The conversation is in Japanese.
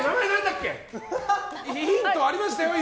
ヒントありましたよ。